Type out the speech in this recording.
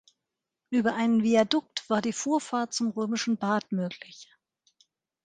Über einen Viadukt war die Vorfahrt zum römischen Bad möglich.